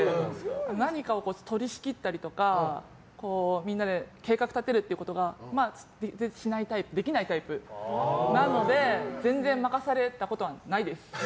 何かを取り仕切ったりとかみんなで計画を立てることができないタイプなので全然任されたことはないです。